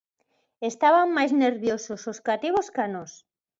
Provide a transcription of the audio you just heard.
Estaban máis nerviosos os cativos ca nós.